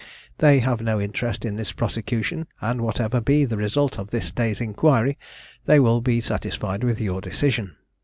They have no interest in this prosecution, and whatever be the result of this day's inquiry, they will be satisfied with your decision.